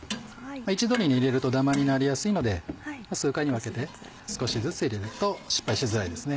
一度に入れるとダマになりやすいので数回に分けて少しずつ入れると失敗しづらいですね。